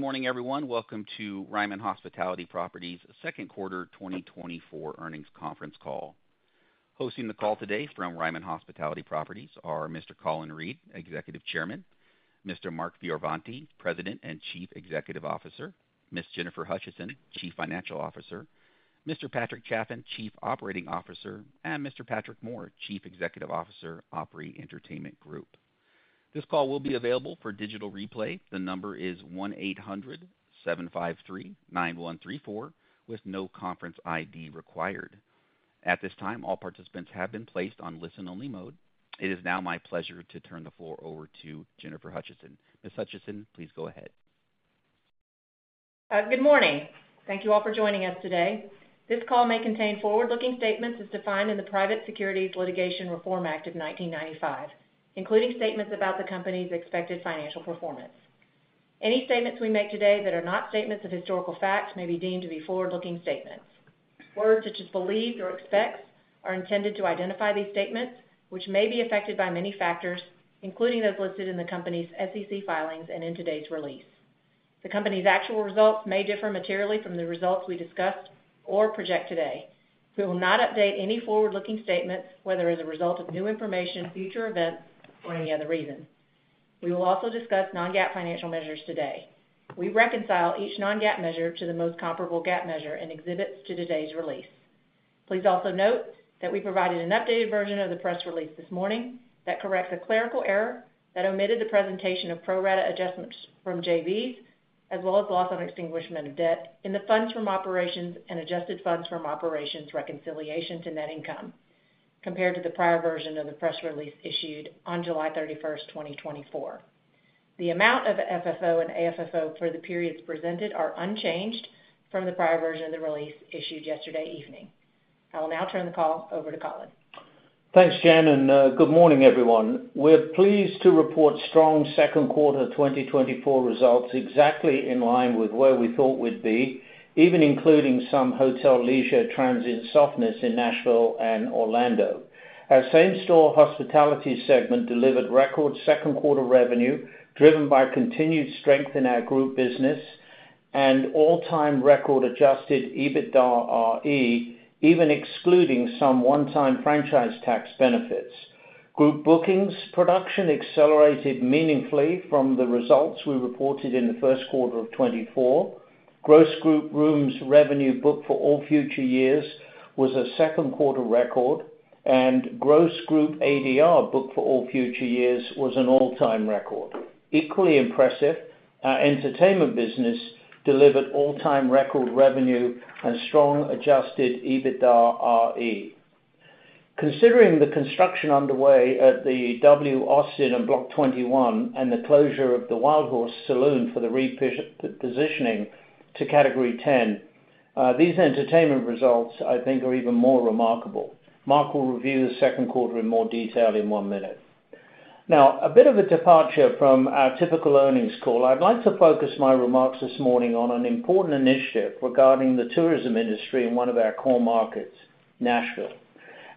Good morning, everyone. Welcome to Ryman Hospitality Properties' Second Quarter 2024 Earnings Conference Call. Hosting the call today from Ryman Hospitality Properties are Mr. Colin Reed, Executive Chairman, Mr. Mark Fioravanti, President and Chief Executive Officer, Ms. Jennifer Hutcheson, Chief Financial Officer, Mr. Patrick Chaffin, Chief Operating Officer, and Mr. Patrick Moore, Chief Executive Officer, Opry Entertainment Group. This call will be available for digital replay. The number is 1-800-753-9134, with no conference ID required. At this time, all participants have been placed on listen-only mode. It is now my pleasure to turn the floor over to Jennifer Hutcheson. Ms. Hutcheson, please go ahead. Good morning. Thank you all for joining us today. This call may contain forward-looking statements as defined in the Private Securities Litigation Reform Act of 1995, including statements about the company's expected financial performance. Any statements we make today that are not statements of historical fact may be deemed to be forward-looking statements. Words such as believe or expects are intended to identify these statements, which may be affected by many factors, including those listed in the company's SEC filings and in today's release. The company's actual results may differ materially from the results we discussed or project today. We will not update any forward-looking statements, whether as a result of new information, future events, or any other reason. We will also discuss non-GAAP financial measures today. We reconcile each non-GAAP measure to the most comparable GAAP measure in exhibits to today's release. Please also note that we provided an updated version of the press release this morning that corrects a clerical error that omitted the presentation of pro rata adjustments from JVs, as well as loss on extinguishment of debt in the funds from operations and adjusted funds from operations reconciliation to net income, compared to the prior version of the press release issued on July 31st, 2024. The amount of FFO and AFFO for the periods presented are unchanged from the prior version of the release issued yesterday evening. I will now turn the call over to Colin. Thanks, Jen, and good morning, everyone. We're pleased to report strong second quarter 2024 results, exactly in line with where we thought we'd be, even including some hotel leisure transient softness in Nashville and Orlando. Our same store hospitality segment delivered record second quarter revenue, driven by continued strength in our group business and all-time record adjusted EBITDARE, even excluding some one-time franchise tax benefits. Group bookings production accelerated meaningfully from the results we reported in the first quarter of 2024. Gross group rooms revenue booked for all future years was a second quarter record, and gross group ADR booked for all future years was an all-time record. Equally impressive, our entertainment business delivered all-time record revenue and strong adjusted EBITDARE. Considering the construction underway at the W Austin and Block 21, and the closure of the Wildhorse Saloon for the repositioning to Category 10, these entertainment results, I think, are even more remarkable. Mark will review the second quarter in more detail in 1 minute. Now, a bit of a departure from our typical earnings call. I'd like to focus my remarks this morning on an important initiative regarding the tourism industry in one of our core markets, Nashville.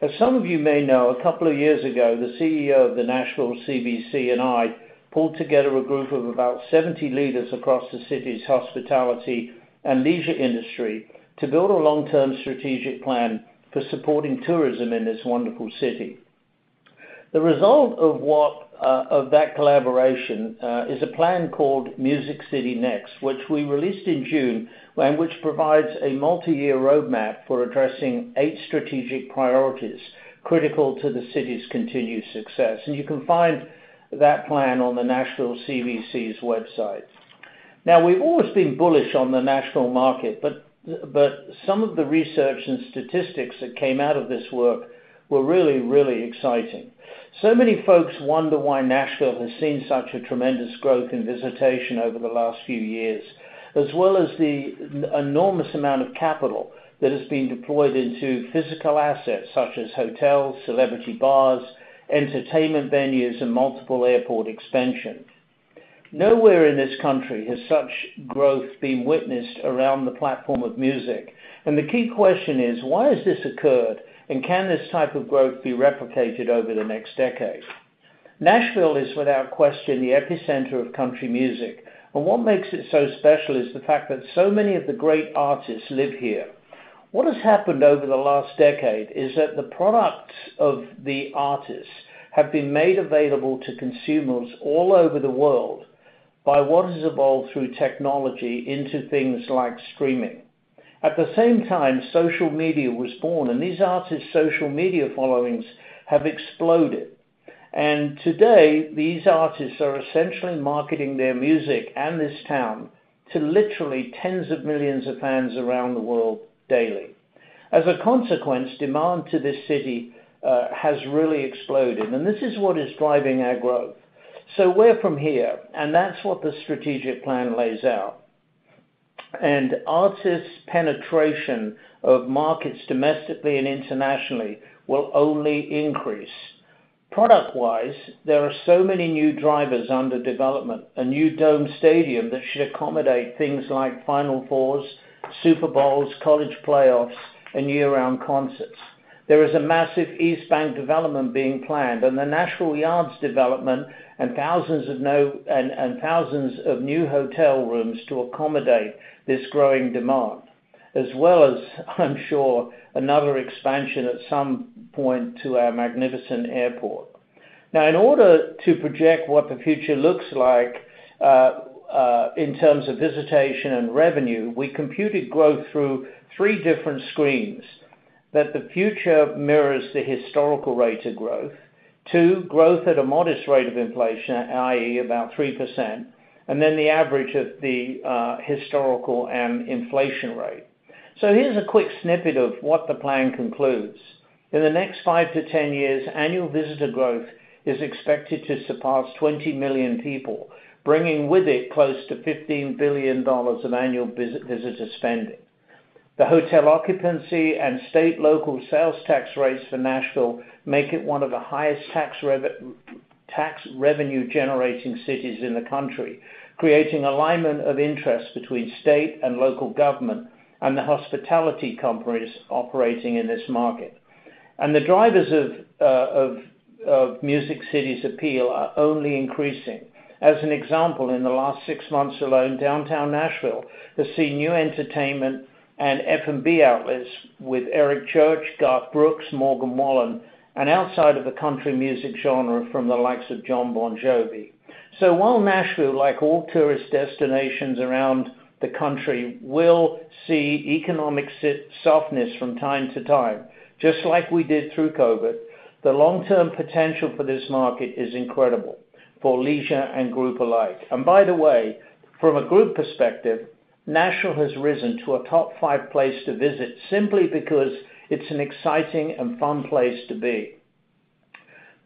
As some of you may know, a couple of years ago, the CEO of the Nashville CVB and I pulled together a group of about 70 leaders across the city's hospitality and leisure industry to build a long-term strategic plan for supporting tourism in this wonderful city. The result of what... of that collaboration is a plan called Music City Next, which we released in June, and which provides a multiyear roadmap for addressing eight strategic priorities critical to the city's continued success, and you can find that plan on the Nashville CVC's website. Now, we've always been bullish on the national market, but, but some of the research and statistics that came out of this work were really, really exciting. So many folks wonder why Nashville has seen such a tremendous growth in visitation over the last few years, as well as the enormous amount of capital that has been deployed into physical assets such as hotels, celebrity bars, entertainment venues, and multiple airport expansion. Nowhere in this country has such growth been witnessed around the platform of music, and the key question is: Why has this occurred? Can this type of growth be replicated over the next decade? Nashville is, without question, the epicenter of country music, and what makes it so special is the fact that so many of the great artists live here. What has happened over the last decade is that the products of the artists have been made available to consumers all over the world by what has evolved through technology into things like streaming. At the same time, social media was born, and these artists' social media followings have exploded. And today, these artists are essentially marketing their music and this town to literally tens of millions of fans around the world daily. As a consequence, demand to this city has really exploded, and this is what is driving our growth. Where from here? That's what the strategic plan lays out. Artists' penetration of markets, domestically and internationally, will only increase. Product-wise, there are so many new drivers under development, a new dome stadium that should accommodate things like Final Fours, Super Bowls, college playoffs, and year-round concerts... There is a massive East Bank development being planned, and the National Yards development and thousands of new hotel rooms to accommodate this growing demand, as well as, I'm sure, another expansion at some point to our magnificent airport. Now, in order to project what the future looks like in terms of visitation and revenue, we computed growth through three different screens: that the future mirrors the historical rates of growth, 2, growth at a modest rate of inflation, i.e., about 3%, and then the average of the historical and inflation rate. So here's a quick snippet of what the plan concludes. In the next 5-10 years, annual visitor growth is expected to surpass 20 million people, bringing with it close to $15 billion of annual visitor spending. The hotel occupancy and state local sales tax rates for Nashville make it one of the highest tax revenue-generating cities in the country, creating alignment of interests between state and local government and the hospitality companies operating in this market. And the drivers of Music City's appeal are only increasing. As an example, in the last 6 months alone, downtown Nashville has seen new entertainment and F&B outlets with Eric Church, Garth Brooks, Morgan Wallen, and outside of the country music genre from the likes of Jon Bon Jovi. So while Nashville, like all tourist destinations around the country, will see economic softness from time to time, just like we did through COVID, the long-term potential for this market is incredible for leisure and group alike. And by the way, from a group perspective, Nashville has risen to a top five place to visit simply because it's an exciting and fun place to be.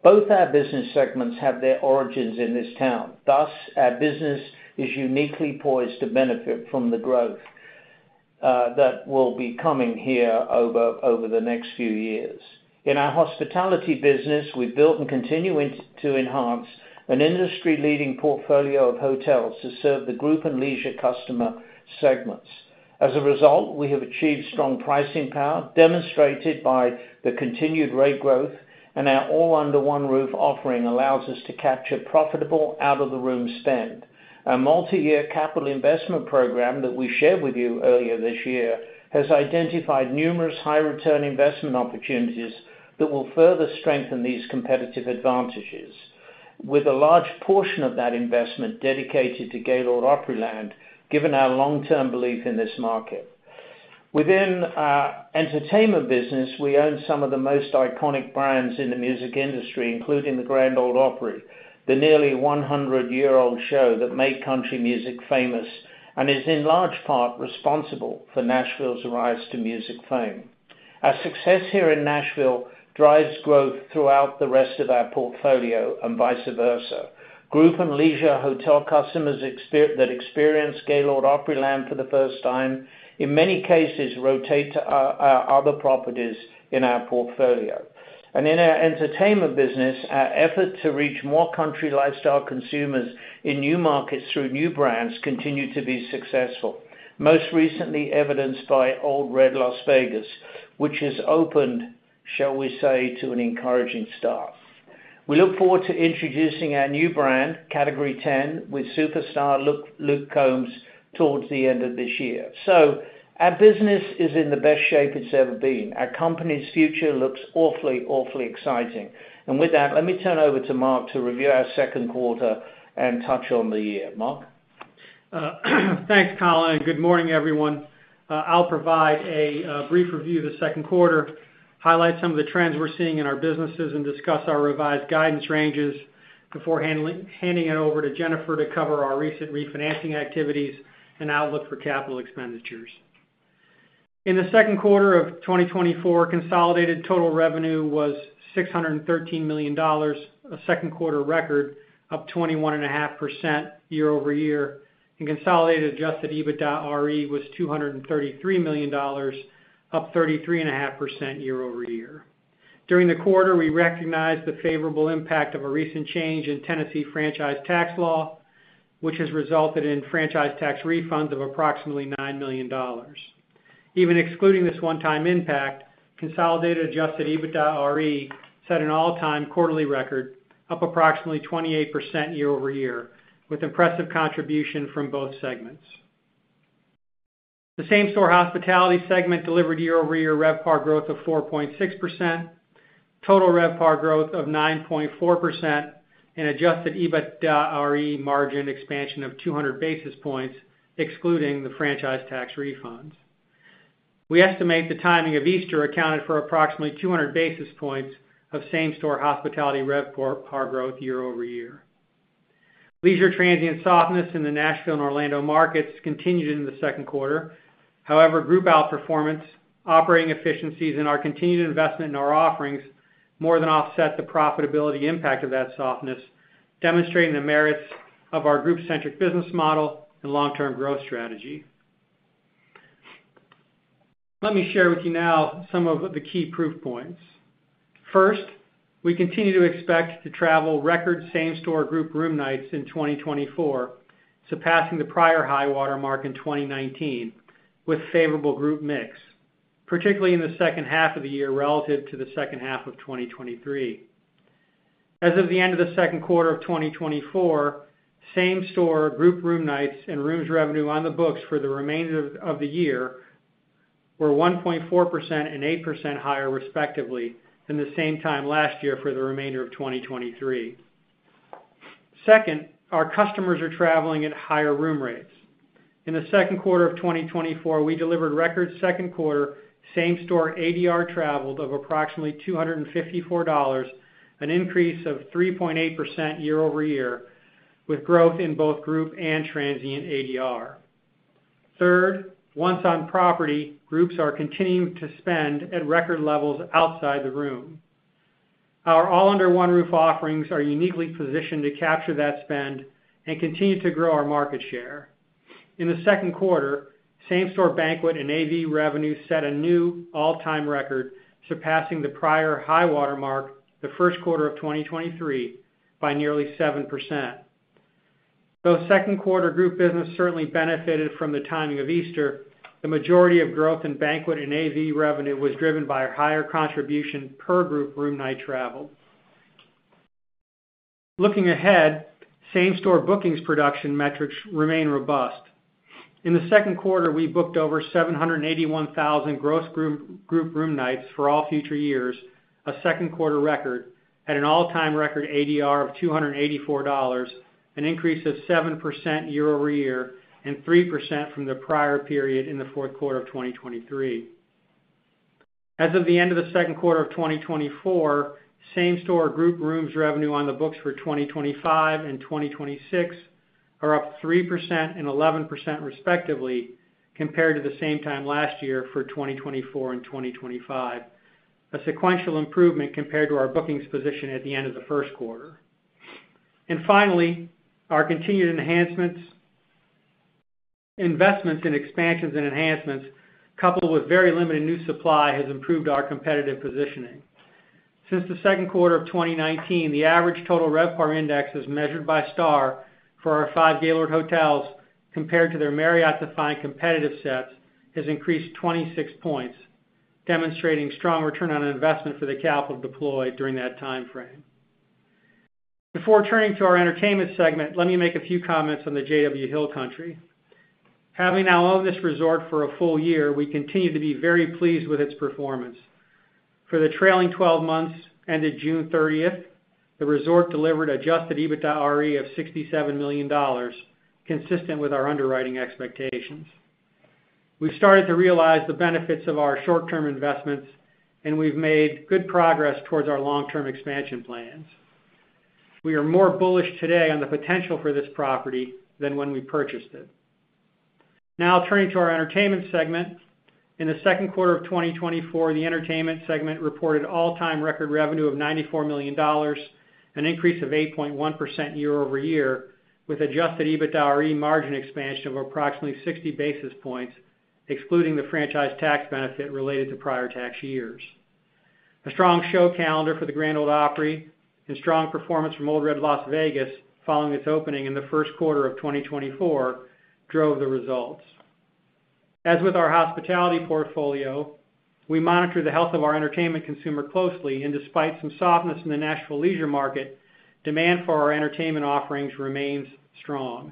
Both our business segments have their origins in this town, thus, our business is uniquely poised to benefit from the growth that will be coming here over the next few years. In our hospitality business, we've built and continue to enhance an industry-leading portfolio of hotels to serve the group and leisure customer segments. As a result, we have achieved strong pricing power, demonstrated by the continued rate growth, and our all-under-one-roof offering allows us to capture profitable out-of-the-room spend. Our multi-year capital investment program that we shared with you earlier this year, has identified numerous high-return investment opportunities that will further strengthen these competitive advantages, with a large portion of that investment dedicated to Gaylord Opryland, given our long-term belief in this market. Within our entertainment business, we own some of the most iconic brands in the music industry, including the Grand Ole Opry, the nearly one hundred-year-old show that made country music famous and is in large part responsible for Nashville's rise to music fame. Our success here in Nashville drives growth throughout the rest of our portfolio, and vice versa. Group and leisure hotel customers that experience Gaylord Opryland for the first time, in many cases, rotate to our other properties in our portfolio. And in our entertainment business, our effort to reach more country lifestyle consumers in new markets through new brands continue to be successful, most recently evidenced by Old Red Las Vegas, which has opened, shall we say, to an encouraging start. We look forward to introducing our new brand, Category 10, with superstar Luke Combs towards the end of this year. So our business is in the best shape it's ever been. Our company's future looks awfully, awfully exciting. And with that, let me turn over to Mark to review our second quarter and touch on the year. Mark? Thanks, Colin, and good morning, everyone. I'll provide a brief review of the second quarter, highlight some of the trends we're seeing in our businesses, and discuss our revised guidance ranges before handing it over to Jennifer to cover our recent refinancing activities and outlook for capital expenditures. In the second quarter of 2024, consolidated total revenue was $613 million, a second quarter record, up 21.5% year-over-year, and consolidated Adjusted EBITDARE was $233 million, up 33.5% year-over-year. During the quarter, we recognized the favorable impact of a recent change in Tennessee franchise tax law, which has resulted in franchise tax refunds of approximately $9 million. Even excluding this one-time impact, consolidated adjusted EBITDARE set an all-time quarterly record, up approximately 28% year-over-year, with impressive contribution from both segments. The same-store hospitality segment delivered year-over-year RevPAR growth of 4.6%, total RevPAR growth of 9.4%, and adjusted EBITDARE margin expansion of 200 basis points, excluding the franchise tax refunds. We estimate the timing of Easter accounted for approximately 200 basis points of same-store hospitality RevPAR growth year-over-year. Leisure transient softness in the Nashville and Orlando markets continued in the second quarter. However, group outperformance, operating efficiencies, and our continued investment in our offerings more than offset the profitability impact of that softness, demonstrating the merits of our group-centric business model and long-term growth strategy. Let me share with you now some of the key proof points.... First, we continue to expect to travel record same store group room nights in 2024, surpassing the prior high watermark in 2019, with favorable group mix, particularly in the second half of the year relative to the second half of 2023. As of the end of the second quarter of 2024, same store group room nights and rooms revenue on the books for the remainder of the year were 1.4% and 8% higher, respectively, than the same time last year for the remainder of 2023. Second, our customers are traveling at higher room rates. In the second quarter of 2024, we delivered record second quarter same store ADR traveled of approximately $254, an increase of 3.8% year-over-year, with growth in both group and transient ADR. Third, once on property, groups are continuing to spend at record levels outside the room. Our all under one roof offerings are uniquely positioned to capture that spend and continue to grow our market share. In the second quarter, same store banquet and AV revenue set a new all-time record, surpassing the prior high watermark, the first quarter of 2023, by nearly 7%. Though second quarter group business certainly benefited from the timing of Easter, the majority of growth in banquet and AV revenue was driven by a higher contribution per group room night travel. Looking ahead, same store bookings production metrics remain robust. In the second quarter, we booked over 781,000 gross group room nights for all future years, a second quarter record at an all-time record ADR of $284, an increase of 7% year-over-year and 3% from the prior period in the fourth quarter of 2023. As of the end of the second quarter of 2024, same store group rooms revenue on the books for 2025 and 2026 are up 3% and 11%, respectively, compared to the same time last year for 2024 and 2025, a sequential improvement compared to our bookings position at the end of the first quarter. And finally, our continued enhancements, investments in expansions and enhancements, coupled with very limited new supply, has improved our competitive positioning. Since the second quarter of 2019, the average total RevPAR index, as measured by STR, for our five Gaylord Hotels, compared to their Marriott-defined competitive sets, has increased 26 points, demonstrating strong return on investment for the capital deployed during that time frame. Before turning to our entertainment segment, let me make a few comments on the JW Hill Country. Having now owned this resort for a full year, we continue to be very pleased with its performance. For the trailing twelve months, ended June 30, the resort delivered adjusted EBITDARE of $67 million, consistent with our underwriting expectations. We've started to realize the benefits of our short-term investments, and we've made good progress towards our long-term expansion plans. We are more bullish today on the potential for this property than when we purchased it. Now, turning to our entertainment segment. In the second quarter of 2024, the entertainment segment reported all-time record revenue of $94 million, an increase of 8.1% year-over-year, with adjusted EBITDARE margin expansion of approximately 60 basis points, excluding the franchise tax benefit related to prior tax years. A strong show calendar for the Grand Ole Opry and strong performance from Old Red Las Vegas, following its opening in the first quarter of 2024, drove the results. As with our hospitality portfolio, we monitor the health of our entertainment consumer closely, and despite some softness in the national leisure market, demand for our entertainment offerings remains strong.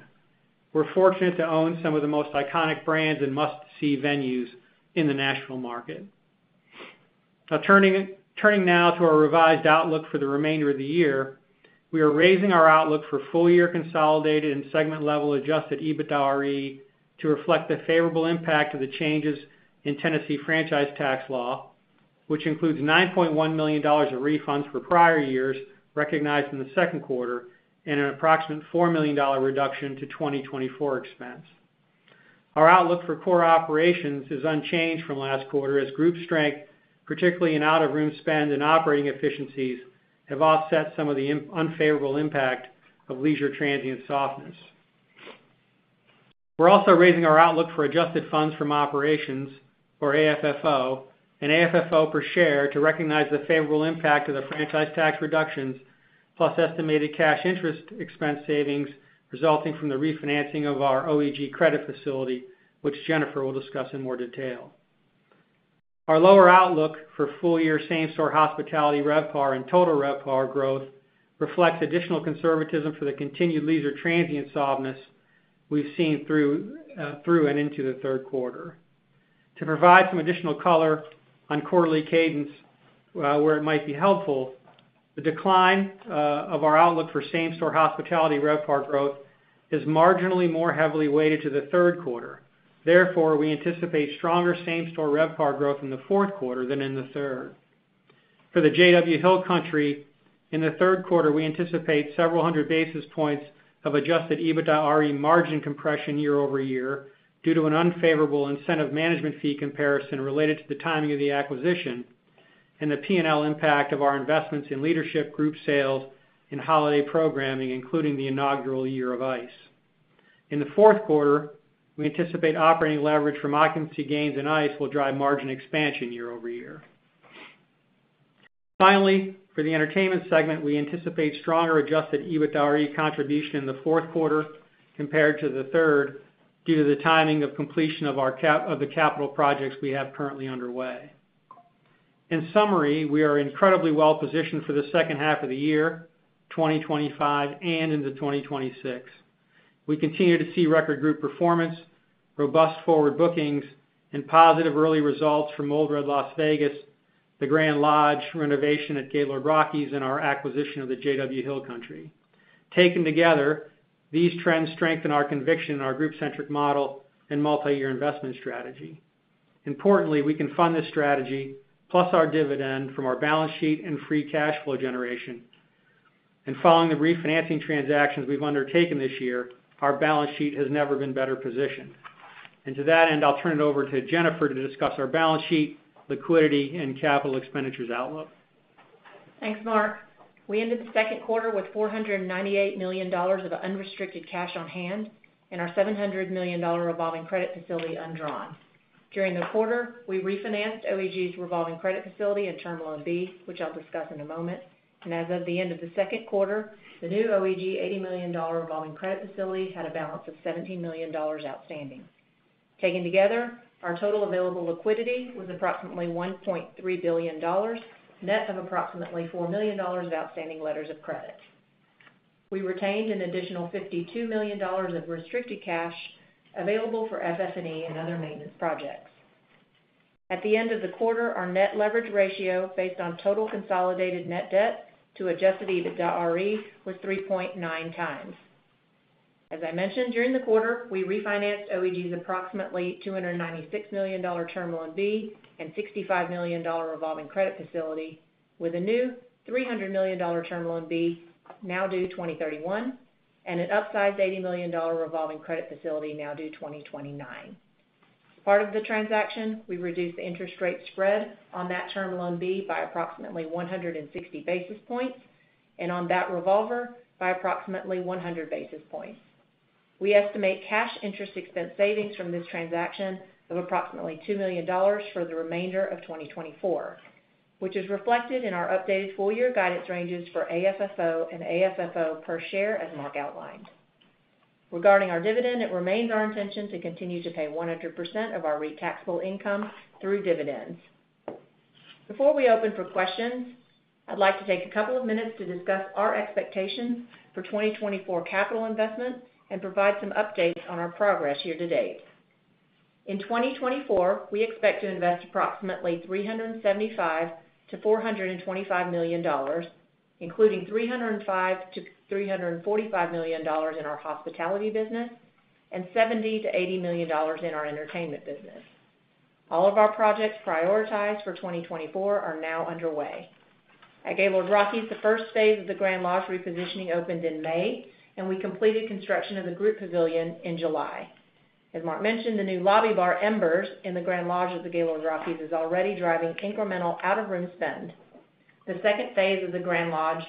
We're fortunate to own some of the most iconic brands and must-see venues in the national market. Now, turning now to our revised outlook for the remainder of the year, we are raising our outlook for full-year consolidated and segment-level adjusted EBITDARE to reflect the favorable impact of the changes in Tennessee franchise tax law, which includes $9.1 million of refunds for prior years, recognized in the second quarter, and an approximate $4 million reduction to 2024 expense. Our outlook for core operations is unchanged from last quarter, as group strength, particularly in out-of-room spend and operating efficiencies, have offset some of the unfavorable impact of leisure transient softness. We're also raising our outlook for adjusted funds from operations, or AFFO, and AFFO per share, to recognize the favorable impact of the franchise tax reductions, plus estimated cash interest expense savings resulting from the refinancing of our OEG credit facility, which Jennifer will discuss in more detail. Our lower outlook for full-year same store hospitality RevPAR and total RevPAR growth reflects additional conservatism for the continued leisure transient softness we've seen through, through and into the third quarter. To provide some additional color on quarterly cadence, where it might be helpful, the decline, of our outlook for same store hospitality RevPAR growth is marginally more heavily weighted to the third quarter. Therefore, we anticipate stronger same store RevPAR growth in the fourth quarter than in the third. For the JW Hill Country, in the third quarter, we anticipate several hundred basis points of adjusted EBITDARE margin compression year-over-year due to an unfavorable incentive management fee comparison related to the timing of the acquisition and the P&L impact of our investments in leadership, group sales, and holiday programming, including the inaugural Year of ICE. In the fourth quarter, we anticipate operating leverage from occupancy gains in ICE will drive margin expansion year-over-year. Finally, for the entertainment segment, we anticipate stronger adjusted EBITDARE contribution in the fourth quarter compared to the third, due to the timing of completion of our capital projects we have currently underway. In summary, we are incredibly well positioned for the second half of the year, 2025 and into 2026. We continue to see record group performance, robust forward bookings, and positive early results from Old Red Las Vegas, the Grand Lodge renovation at Gaylord Rockies, and our acquisition of the JW Hill Country. Taken together, these trends strengthen our conviction in our group-centric model and multiyear investment strategy. Importantly, we can fund this strategy, plus our dividend from our balance sheet and free cash flow generation. Following the refinancing transactions we've undertaken this year, our balance sheet has never been better positioned. To that end, I'll turn it over to Jennifer to discuss our balance sheet, liquidity, and capital expenditures outlook. Thanks, Mark. We ended the second quarter with $498 million of unrestricted cash on hand and our $700 million revolving credit facility undrawn. During the quarter, we refinanced OEG's revolving credit facility and term loan B, which I'll discuss in a moment. As of the end of the second quarter, the new OEG $80 million revolving credit facility had a balance of $17 million outstanding. Taken together, our total available liquidity was approximately $1.3 billion, net of approximately $4 million of outstanding letters of credit. We retained an additional $52 million of restricted cash available for FF&E and other maintenance projects. At the end of the quarter, our net leverage ratio, based on total consolidated net debt to adjusted EBITDARE, was 3.9 times. As I mentioned, during the quarter, we refinanced OEG's approximately $296 million term loan B and $65 million revolving credit facility, with a new $300 million term loan B, now due 2031, and an upsized $80 million revolving credit facility, now due 2029. As part of the transaction, we reduced the interest rate spread on that term loan B by approximately 160 basis points, and on that revolver by approximately 100 basis points. We estimate cash interest expense savings from this transaction of approximately $2 million for the remainder of 2024, which is reflected in our updated full year guidance ranges for AFFO and AFFO per share, as Mark outlined. Regarding our dividend, it remains our intention to continue to pay 100% of our REIT taxable income through dividends. Before we open for questions, I'd like to take a couple of minutes to discuss our expectations for 2024 capital investment and provide some updates on our progress year to date. In 2024, we expect to invest approximately $375 million-$425 million, including $305 million-$345 million in our hospitality business and $70 million-$80 million in our entertainment business. All of our projects prioritized for 2024 are now underway. At Gaylord Rockies, the phase I of the Grand Lodge repositioning opened in May, and we completed construction of the group pavilion in July. As Mark mentioned, the new lobby bar, Embers, in the Grand Lodge of the Gaylord Rockies, is already driving incremental out-of-room spend. The phase II of the Grand Lodge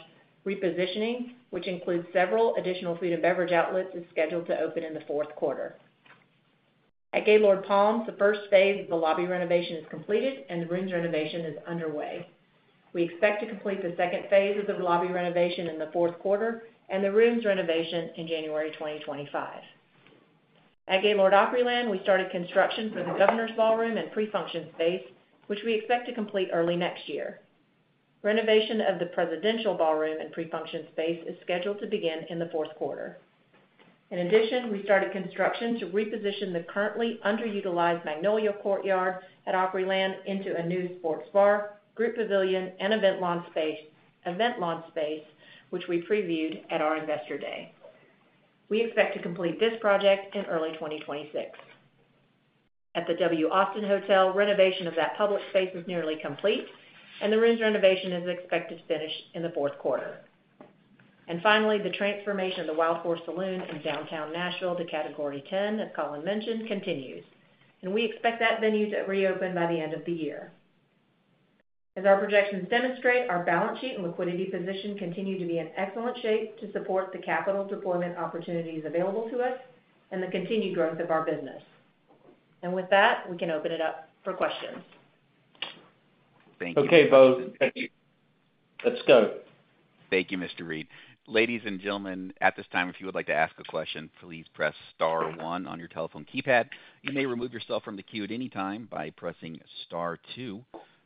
repositioning, which includes several additional food and beverage outlets, is scheduled to open in the fourth quarter. At Gaylord Palms, the phase I of the lobby renovation is completed, and the rooms renovation is underway. We expect to complete the phase II of the lobby renovation in the fourth quarter and the rooms renovation in January 2025. At Gaylord Opryland, we started construction for the Governor's Ballroom and pre-function space, which we expect to complete early next year. Renovation of the Presidential Ballroom and pre-function space is scheduled to begin in the fourth quarter. In addition, we started construction to reposition the currently underutilized Magnolia Courtyard at Opryland into a new sports bar, group pavilion, and event lawn space, which we previewed at our Investor Day. We expect to complete this project in early 2026. At the W Austin Hotel, renovation of that public space is nearly complete, and the rooms renovation is expected to finish in the fourth quarter. And finally, the transformation of the Wildhorse Saloon in downtown Nashville to Category 10, as Colin mentioned, continues, and we expect that venue to reopen by the end of the year. As our projections demonstrate, our balance sheet and liquidity position continue to be in excellent shape to support the capital deployment opportunities available to us and the continued growth of our business. And with that, we can open it up for questions. Thank you. Okay, folks, let's go. Thank you, Mr. Reed. Ladies and gentlemen, at this time, if you would like to ask a question, please press star one on your telephone keypad. You may remove yourself from the queue at any time by pressing star two.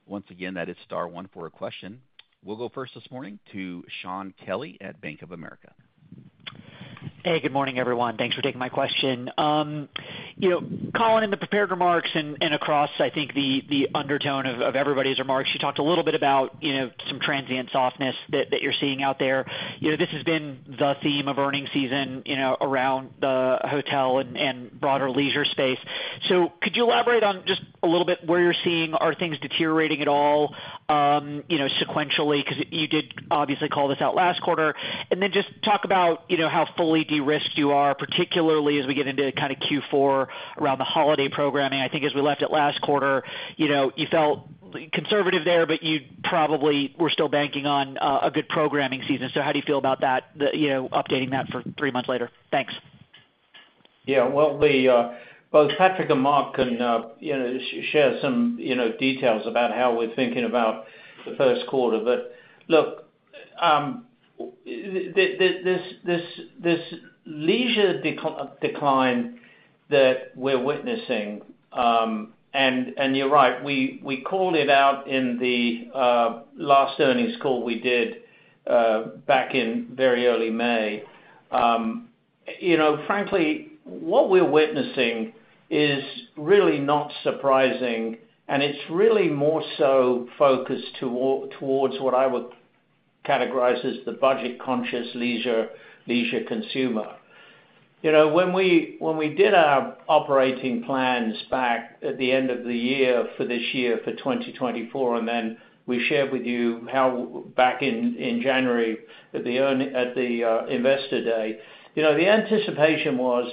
Once again, that is star one for a question. We'll go first this morning to Shaun Kelley at Bank of America. Hey, good morning, everyone. Thanks for taking my question. You know, Colin, in the prepared remarks and across, I think the undertone of everybody's remarks, you talked a little bit about, you know, some transient softness that you're seeing out there. You know, this has been the theme of earnings season, you know, around the hotel and broader leisure space. So could you elaborate on just a little bit where you're seeing? Are things deteriorating at all, you know, sequentially? 'Cause you did obviously call this out last quarter. And then just talk about, you know, how fully de-risked you are, particularly as we get into kind of Q4 around the holiday programming. I think as we left it last quarter, you know, you felt conservative there, but you probably were still banking on a good programming season. So how do you feel about that, you know, updating that for three months later? Thanks.... Yeah, well, we both Patrick and Mark can, you know, share some, you know, details about how we're thinking about the first quarter. But look, the leisure decline that we're witnessing... And you're right, we called it out in the last earnings call we did back in very early May. You know, frankly, what we're witnessing is really not surprising, and it's really more so focused towards what I would categorize as the budget-conscious leisure consumer. You know, when we did our operating plans back at the end of the year for this year, for 2024, and then we shared with you how back in January, at the Investor Day, you know, the anticipation was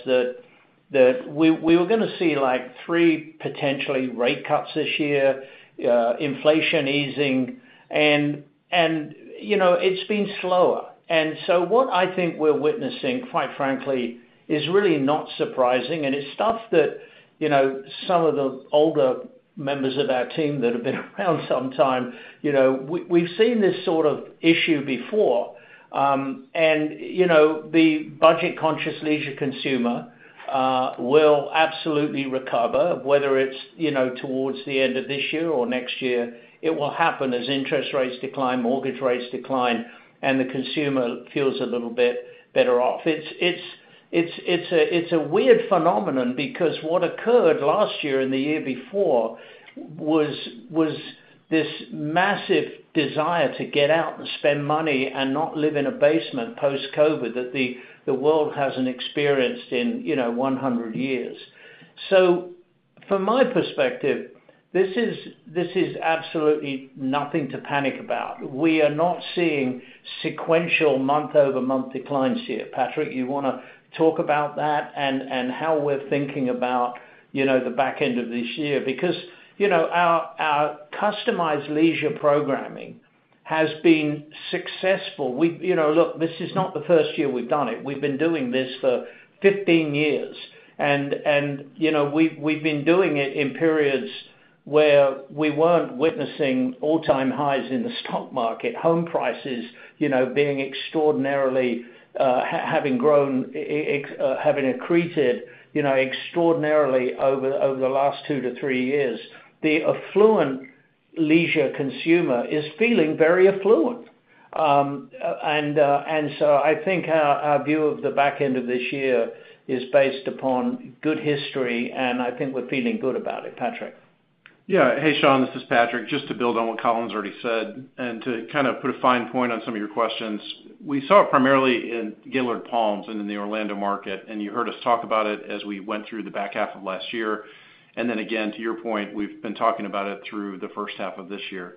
that we were going to see, like, three potential rate cuts this year, inflation easing, and, you know, it's been slower. And so what I think we're witnessing, quite frankly, is really not surprising, and it's stuff that, you know, some of the older members of our team that have been around some time, you know, we've seen this sort of issue before. And, you know, the budget-conscious leisure consumer will absolutely recover, whether it's, you know, towards the end of this year or next year, it will happen as interest rates decline, mortgage rates decline, and the consumer feels a little bit better off. It's a weird phenomenon because what occurred last year and the year before was this massive desire to get out and spend money and not live in a basement post-COVID, that the world hasn't experienced in, you know, 100 years. So from my perspective, this is absolutely nothing to panic about. We are not seeing sequential month-over-month declines here. Patrick, you want to talk about that and how we're thinking about, you know, the back end of this year? Because, you know, our customized leisure programming has been successful. You know, look, this is not the first year we've done it. We've been doing this for 15 years, and you know, we've been doing it in periods where we weren't witnessing all-time highs in the stock market, home prices, you know, being extraordinarily having accreted, you know, extraordinarily over the last 2-3 years. The affluent leisure consumer is feeling very affluent. And so I think our view of the back end of this year is based upon good history, and I think we're feeling good about it. Patrick? Yeah. Hey, Shaun, this is Patrick. Just to build on what Colin's already said, and to kind of put a fine point on some of your questions, we saw it primarily in Gaylord Palms and in the Orlando market, and you heard us talk about it as we went through the back half of last year. Then again, to your point, we've been talking about it through the first half of this year.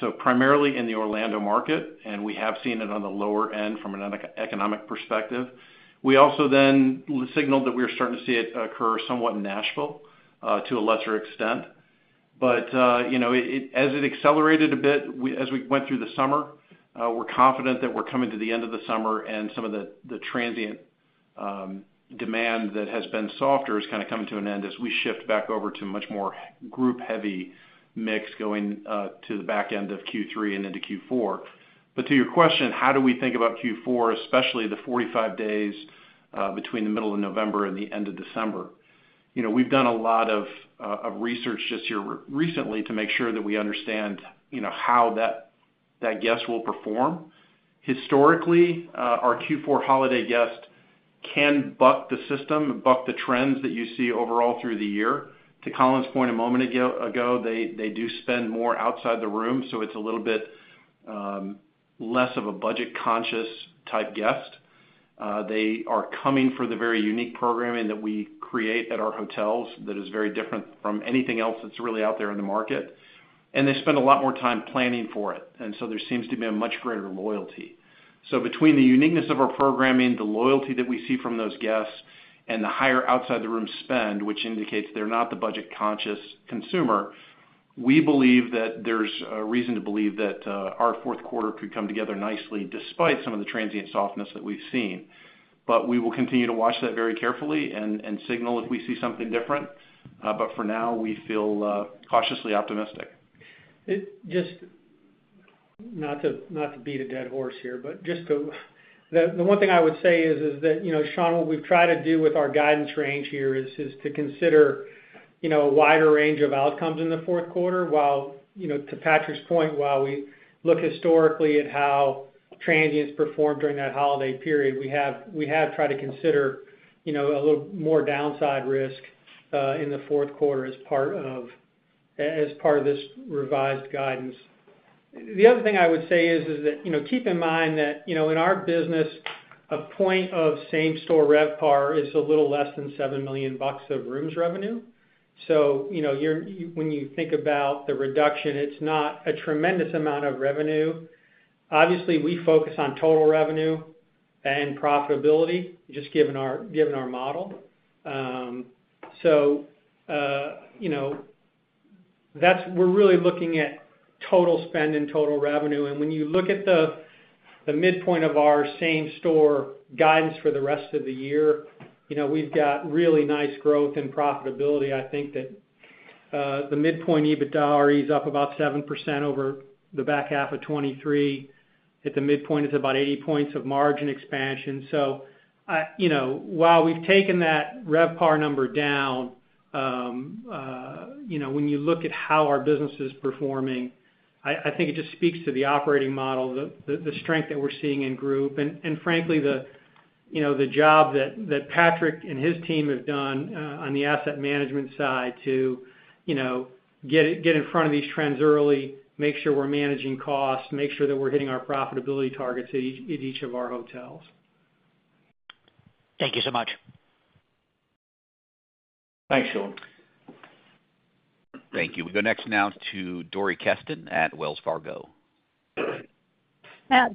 So primarily in the Orlando market, and we have seen it on the lower end from an economic perspective. We also then signaled that we are starting to see it occur somewhat in Nashville, to a lesser extent. But you know, it, it... As it accelerated a bit, we, as we went through the summer, we're confident that we're coming to the end of the summer, and some of the transient demand that has been softer is kind of coming to an end as we shift back over to a much more group-heavy mix going to the back end of Q3 and into Q4. But to your question, how do we think about Q4, especially the 45 days between the middle of November and the end of December? You know, we've done a lot of research just here recently to make sure that we understand, you know, how that guest will perform. Historically, our Q4 holiday guest can buck the system, buck the trends that you see overall through the year. To Colin's point a moment ago, they do spend more outside the room, so it's a little bit less of a budget-conscious type guest. They are coming for the very unique programming that we create at our hotels that is very different from anything else that's really out there in the market, and they spend a lot more time planning for it, and so there seems to be a much greater loyalty. So between the uniqueness of our programming, the loyalty that we see from those guests, and the higher outside-the-room spend, which indicates they're not the budget-conscious consumer, we believe that there's a reason to believe that our fourth quarter could come together nicely, despite some of the transient softness that we've seen. But we will continue to watch that very carefully and signal if we see something different, but for now, we feel cautiously optimistic. It just... Not to beat a dead horse here, but just to... The one thing I would say is that, you know, Shaun, what we've tried to do with our guidance range here is to consider, you know, a wider range of outcomes in the fourth quarter, while, you know, to Patrick's point, while we look historically at how transients performed during that holiday period, we have tried to consider, you know, a little more downside risk in the fourth quarter as part of this revised guidance. The other thing I would say is that, you know, keep in mind that, you know, in our business, a point of same-store RevPAR is a little less than $7 million of rooms revenue. So, you know, you're when you think about the reduction, it's not a tremendous amount of revenue. Obviously, we focus on total revenue and profitability, just given our, given our model. So, we're really looking at total spend and total revenue. And when you look at the, the midpoint of our same store guidance for the rest of the year, you know, we've got really nice growth and profitability. I think that, the midpoint EBITDA is up about 7% over the back half of 2023. At the midpoint, it's about 80 points of margin expansion. So, you know, while we've taken that RevPAR number down, you know, when you look at how our business is performing, I think it just speaks to the operating model, the strength that we're seeing in group, and frankly, the job that Patrick and his team have done, on the asset management side to get in front of these trends early, make sure we're managing costs, make sure that we're hitting our profitability targets at each of our hotels. Thank you so much. Thanks, Shaun. Thank you. We go next now to Dori Kesten at Wells Fargo.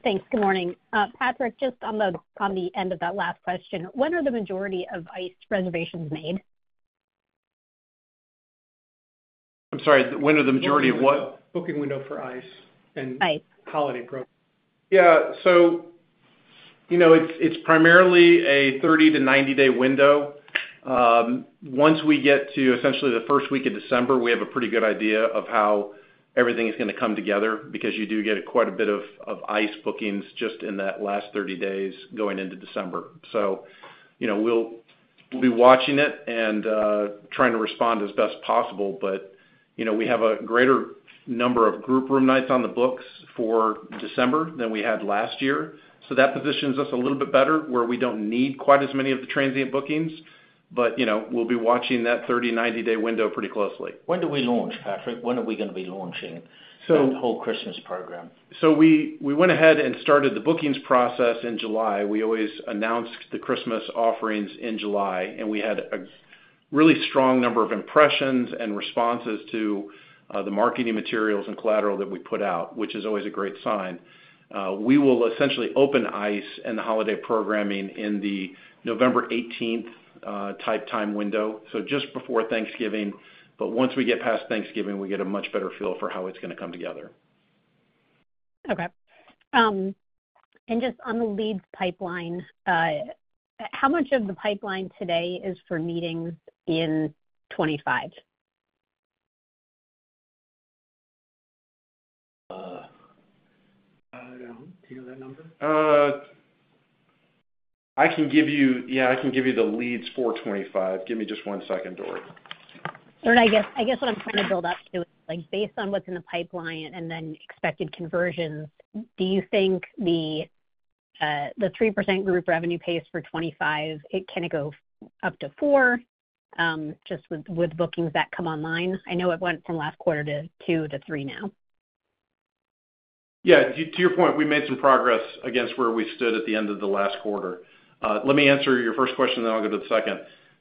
Thanks. Good morning. Patrick, just on the end of that last question, when are the majority of ICE reservations made? I'm sorry, when are the majority of what? Booking window for ICE and- ICE holiday program. Yeah. So, you know, it's, it's primarily a 30-90 day window. Once we get to essentially the first week of December, we have a pretty good idea of how everything is gonna come together, because you do get quite a bit of, of ICE bookings just in that last 30 days going into December. So, you know, we'll, we'll be watching it and trying to respond as best possible. But, you know, we have a greater number of group room nights on the books for December than we had last year, so that positions us a little bit better, where we don't need quite as many of the transient bookings. But, you know, we'll be watching that 30-90 day window pretty closely. When do we launch, Patrick? When are we gonna be launching- So- the whole Christmas program? So we went ahead and started the bookings process in July. We always announce the Christmas offerings in July, and we had a really strong number of impressions and responses to the marketing materials and collateral that we put out, which is always a great sign. We will essentially open ICE and the holiday programming in the November eighteenth type time window, so just before Thanksgiving. But once we get past Thanksgiving, we get a much better feel for how it's gonna come together. Okay. Just on the leads pipeline, how much of the pipeline today is for meetings in 2025? Do you know that number? I can give you... Yeah, I can give you the leads for 25. Give me just one second, Dori. I guess what I'm trying to build up to is, like, based on what's in the pipeline and then expected conversions, do you think the 3% group revenue pace for 2025 can go up to 4%, just with bookings that come online? I know it went from last quarter to 2%-3% now. Yeah, to your point, we made some progress against where we stood at the end of the last quarter. Let me answer your first question, then I'll go to the second.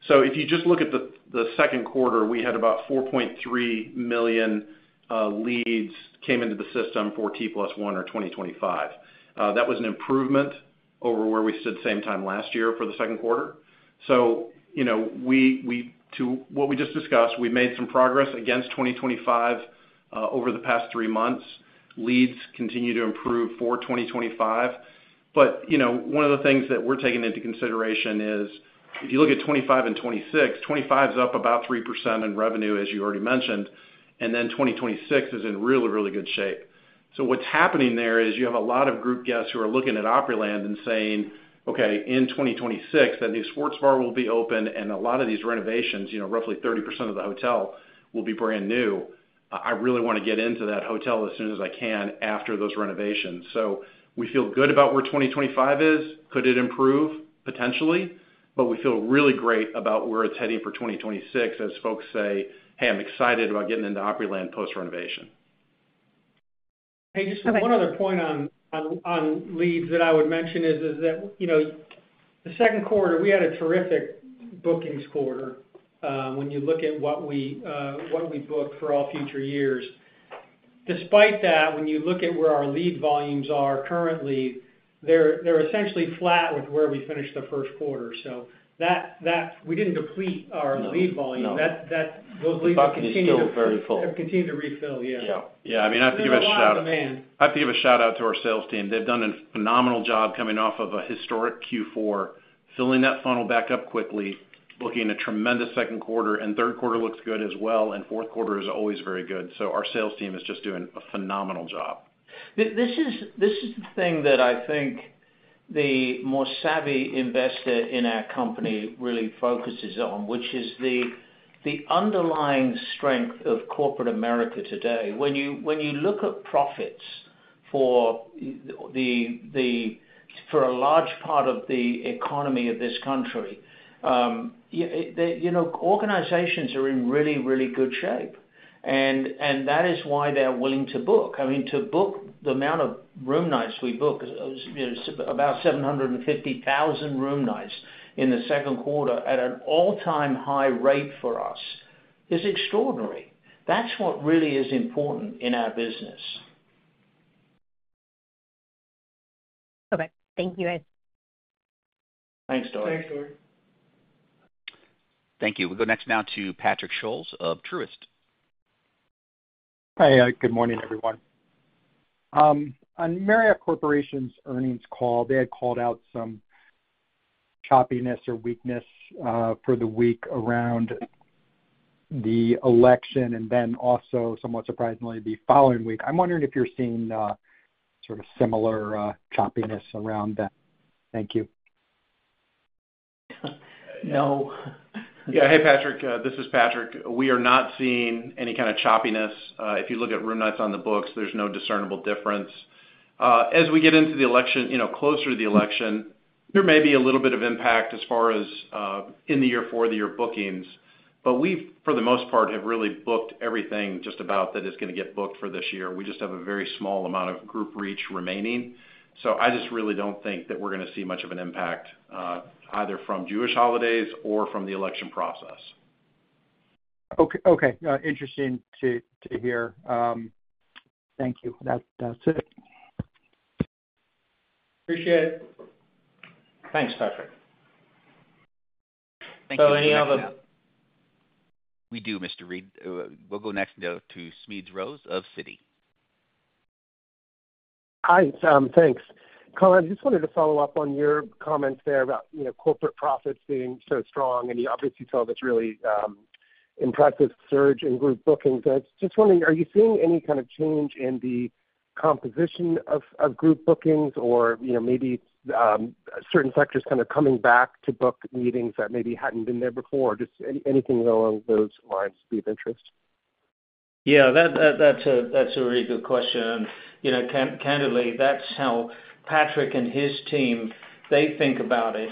So if you just look at the second quarter, we had about 4.3 million leads came into the system for T plus one or 2025. That was an improvement over where we stood same time last year for the second quarter. So, you know, to what we just discussed, we made some progress against 2025 over the past three months. Leads continue to improve for 2025, but, you know, one of the things that we're taking into consideration is, if you look at 2025 and 2026, 2025 is up about 3% in revenue, as you already mentioned, and then 2026 is in really, really good shape. So what's happening there is you have a lot of group guests who are looking at Opryland and saying, "Okay, in 2026, the new sports bar will be open, and a lot of these renovations, you know, roughly 30% of the hotel, will be brand new. I, I really want to get into that hotel as soon as I can after those renovations." So we feel good about where 2025 is. Could it improve? Potentially, but we feel really great about where it's heading for 2026, as folks say, "Hey, I'm excited about getting into Opryland post-renovation. Hey, just one other point on leads that I would mention is that, you know, the second quarter, we had a terrific bookings quarter, when you look at what we booked for all future years. Despite that, when you look at where our lead volumes are currently, they're essentially flat with where we finished the first quarter. So that we didn't deplete our lead volume. No. Those leads continue to- Still very full. Have continued to refill. Yeah. Yeah. Yeah, I mean, I have to give a shout out- There's a lot of demand.... I have to give a shout out to our sales team. They've done a phenomenal job coming off of a historic Q4, filling that funnel back up quickly, booking a tremendous second quarter, and third quarter looks good as well, and fourth quarter is always very good. So our sales team is just doing a phenomenal job. This is, this is the thing that I think the more savvy investor in our company really focuses on, which is the underlying strength of corporate America today. When you, when you look at profits for a large part of the economy of this country, you know, organizations are in really, really good shape, and that is why they're willing to book. I mean, to book the amount of room nights we book, you know, about 750,000 room nights in the second quarter at an all-time high rate for us, is extraordinary. That's what really is important in our business.... Okay. Thank you, guys. Thanks, Doreen. Thanks, Doreen. Thank you. We'll go next now to Patrick Scholes of Truist. Hi, good morning, everyone. On Marriott International's earnings call, they had called out some choppiness or weakness for the week around the election, and then also, somewhat surprisingly, the following week. I'm wondering if you're seeing sort of similar choppiness around that. Thank you. No. Yeah. Hey, Patrick, this is Patrick. We are not seeing any kind of choppiness. If you look at room nights on the books, there's no discernible difference. As we get into the election, you know, closer to the election, there may be a little bit of impact as far as, in the year for the year bookings, but we've, for the most part, have really booked everything just about that is going to get booked for this year. We just have a very small amount of group reach remaining. So I just really don't think that we're going to see much of an impact, either from Jewish holidays or from the election process. Okay. Interesting to hear. Thank you. That's it. Appreciate it. Thanks, Patrick. Thank you. Any other- We do, Mr. Reed. We'll go next, though, to Smedes Rose of Citi. Hi, Tom. Thanks. Colin, just wanted to follow up on your comments there about, you know, corporate profits being so strong, and you obviously saw this really impressive surge in group bookings. I was just wondering, are you seeing any kind of change in the composition of group bookings or, you know, maybe certain sectors kind of coming back to book meetings that maybe hadn't been there before? Just anything along those lines be of interest. Yeah, that's a really good question. And, you know, candidly, that's how Patrick and his team, they think about it.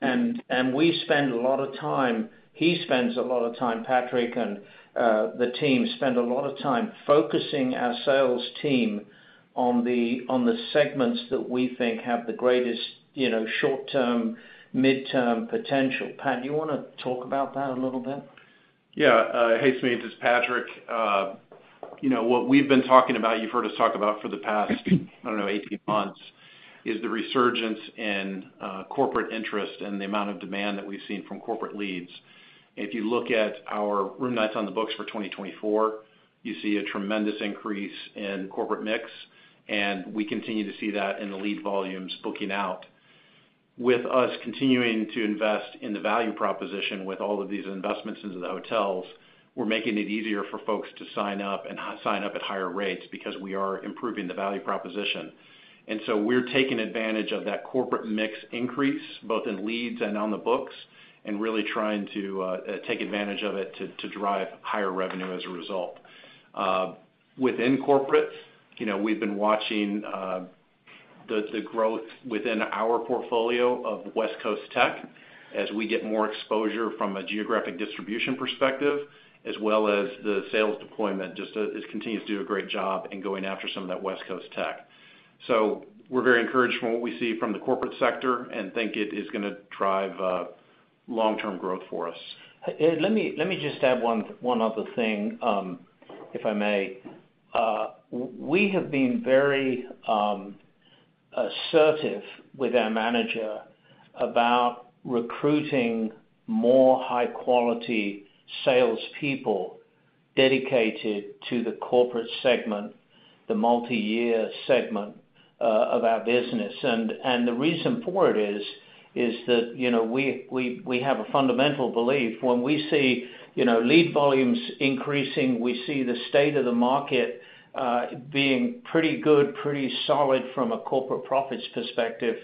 And we spend a lot of time, he spends a lot of time, Patrick, and the team spend a lot of time focusing our sales team on the segments that we think have the greatest, you know, short-term, mid-term potential. Pat, you want to talk about that a little bit? Yeah. Hey, Smedes, it's Patrick. You know, what we've been talking about, you've heard us talk about for the past, I don't know, 18 months, is the resurgence in corporate interest and the amount of demand that we've seen from corporate leads. If you look at our room nights on the books for 2024, you see a tremendous increase in corporate mix, and we continue to see that in the lead volumes booking out. With us continuing to invest in the value proposition with all of these investments into the hotels, we're making it easier for folks to sign up and sign up at higher rates because we are improving the value proposition. And so we're taking advantage of that corporate mix increase, both in leads and on the books, and really trying to take advantage of it to drive higher revenue as a result. Within corporate, you know, we've been watching the growth within our portfolio of West Coast tech as we get more exposure from a geographic distribution perspective, as well as the sales deployment, just it continues to do a great job in going after some of that West Coast tech. So we're very encouraged from what we see from the corporate sector and think it is going to drive long-term growth for us. Let me just add one other thing, if I may. We have been very assertive with our manager about recruiting more high-quality salespeople dedicated to the corporate segment, the multi-year segment of our business. And the reason for it is that, you know, we have a fundamental belief. When we see, you know, lead volumes increasing, we see the state of the market being pretty good, pretty solid from a corporate profits perspective,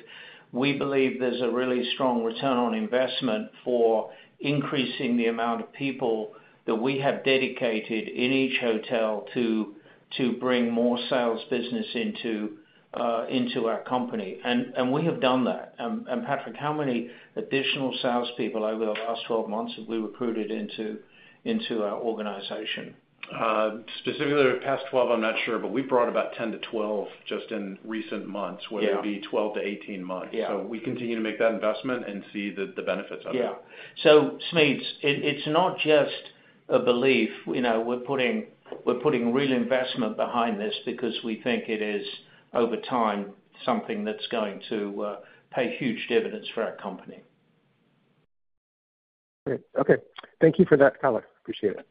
we believe there's a really strong return on investment for increasing the amount of people that we have dedicated in each hotel to bring more sales business into our company. And we have done that. And Patrick, how many additional salespeople over the last 12 months have we recruited into our organization? Specifically the past 12, I'm not sure, but we've brought about 10-12 just in recent months- Yeah. where it would be 12-18 months. Yeah. We continue to make that investment and see the benefits of it. Yeah. So Smedes, it's not just a belief. You know, we're putting real investment behind this because we think it is, over time, something that's going to pay huge dividends for our company. Great. Okay. Thank you for that, Colin. Appreciate it.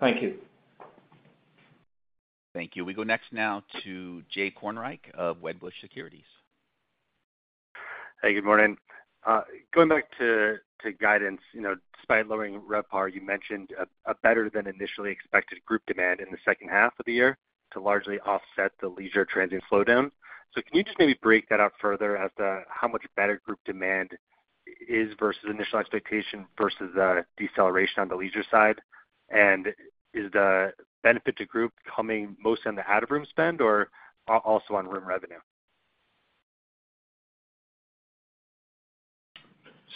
Thank you. Thank you. We go next now to Jay Kornreich of Wedbush Securities. Hey, good morning. Going back to guidance, you know, despite lowering RevPAR, you mentioned a better than initially expected group demand in the second half of the year to largely offset the leisure transient slowdown. So can you just maybe break that out further as to how much better group demand is versus initial expectation versus the deceleration on the leisure side? And is the benefit to group coming mostly on the out-of-room spend or also on room revenue?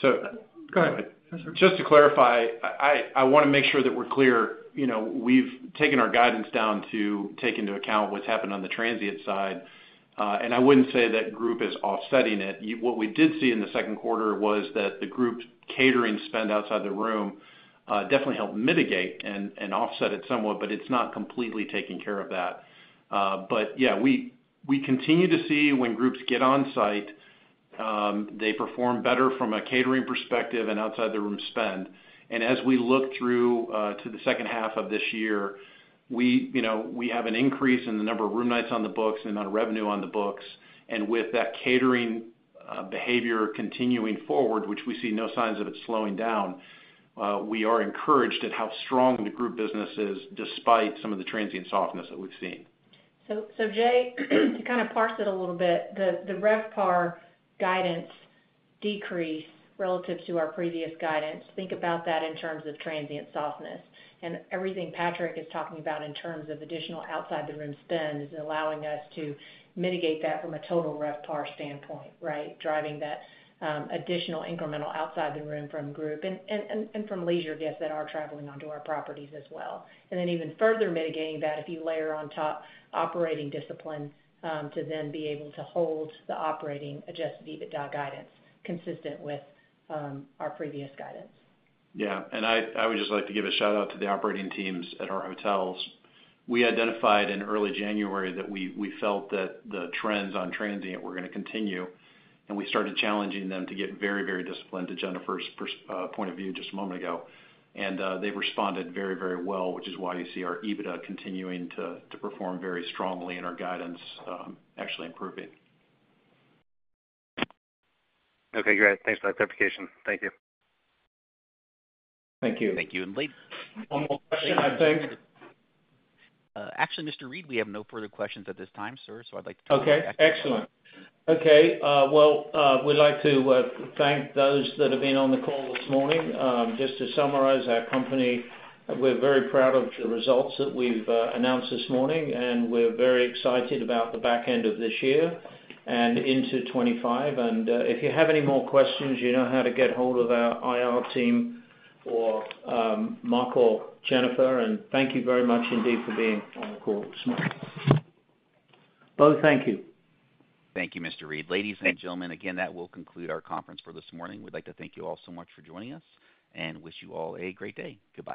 So- Go ahead. Just to clarify, I want to make sure that we're clear. You know, we've taken our guidance down to take into account what's happened on the transient side, and I wouldn't say that group is offsetting it. What we did see in the second quarter was that the group's catering spend outside the room definitely helped mitigate and offset it somewhat, but it's not completely taking care of that. But yeah, we continue to see when groups get on site, they perform better from a catering perspective and outside the room spend. And as we look through to the second half of this year, you know, we have an increase in the number of room nights on the books and amount of revenue on the books. With that catering behavior continuing forward, which we see no signs of it slowing down, we are encouraged at how strong the group business is, despite some of the transient softness that we've seen. So, Jay, to kind of parse it a little bit, the RevPAR guidance decrease relative to our previous guidance, think about that in terms of transient softness. Everything Patrick is talking about in terms of additional outside the room spend is allowing us to mitigate that from a total RevPAR standpoint, right? Driving that additional incremental outside the room from group and from leisure guests that are traveling onto our properties as well. Even further mitigating that, if you layer on top operating discipline to then be able to hold the operating adjusted EBITDA guidance consistent with our previous guidance. Yeah, I would just like to give a shout-out to the operating teams at our hotels. We identified in early January that we felt that the trends on transient were gonna continue, and we started challenging them to get very, very disciplined, to Jennifer's perspective just a moment ago. And they've responded very, very well, which is why you see our EBITDA continuing to perform very strongly and our guidance actually improving. Okay, great. Thanks for that clarification. Thank you. Thank you. Thank you, and lead. One more question, I think. Actually, Mr. Reed, we have no further questions at this time, sir, so I'd like to- Okay, excellent. Okay, well, we'd like to thank those that have been on the call this morning. Just to summarize our company, we're very proud of the results that we've announced this morning, and we're very excited about the back end of this year and into 2025. And, if you have any more questions, you know how to get hold of our IR team or Mark or Jennifer, and thank you very much indeed for being on the call this morning. Bo, thank you. Thank you, Mr. Reed. Ladies and gentlemen, again, that will conclude our conference for this morning. We'd like to thank you all so much for joining us, and wish you all a great day. Goodbye.